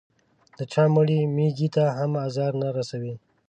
د چا مړې مېږې ته هم ازار نه رسوي.